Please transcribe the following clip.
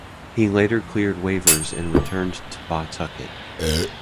He later cleared waivers and returned to Pawtucket.